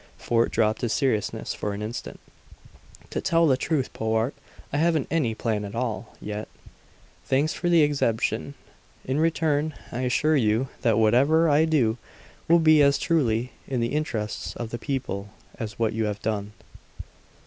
Fort dropped his seriousness for an instant. "To tell the truth, Powart, I haven't any plan at all yet. Thanks for the exemption. In return, I assure you that whatever I do will be as truly in the interests of the people as what you have done."